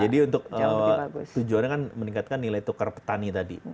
jadi tujuannya kan meningkatkan nilai tukar petani tadi